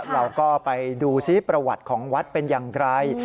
เราก็ไปดูซิประวัติของวัดเป็นอย่างไร